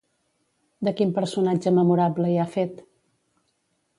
De quin personatge memorable hi ha fet?